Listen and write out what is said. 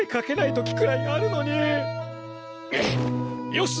よし！